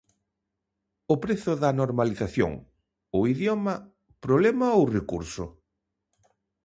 O prezo da normalización: o idioma, problema ou recurso?